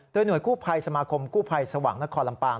โดยหน่วยสมาคมกู้ภัยสวังนครลำปาง